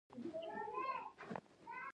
د هر څه سرچينه فساد دی.